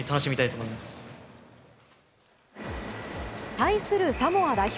対するサモア代表。